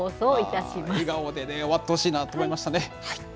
笑顔でね、終わってほしいなと思いましたね。